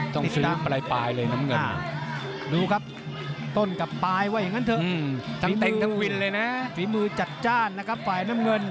ต้องซื้อปลายปลายเลยแบบน้ำเงิน